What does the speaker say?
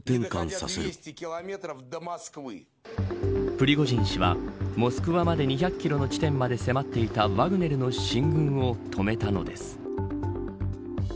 プリゴジン氏はモスクワまで２００キロの地点まで迫っていたワグネルの進軍を止めたのです。